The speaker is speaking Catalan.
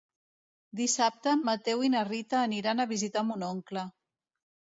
Dissabte en Mateu i na Rita aniran a visitar mon oncle.